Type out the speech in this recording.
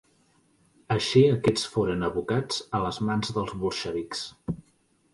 Així aquests foren abocats a les mans dels bolxevics.